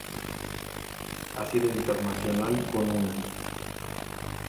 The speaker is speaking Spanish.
Ha sido internacional con una